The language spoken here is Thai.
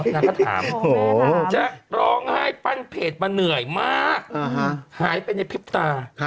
นางก็ถามจะร้องไห้ปั้นเพจมาเหนื่อยมากหายไปในพริบตา